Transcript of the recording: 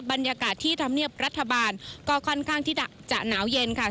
บรรยากาศที่ธรรมเนียบรัฐบาลก็ค่อนข้างที่จะหนาวเย็นค่ะ